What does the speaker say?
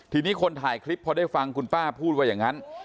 ทีนี้คนถ่ายคลิปพอได้ฟังคุณป้าพูดว่าอย่างนั้น